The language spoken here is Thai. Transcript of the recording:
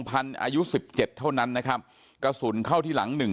อายุสิบเจ็ดเท่านั้นนะครับกระสุนเข้าที่หลังหนึ่ง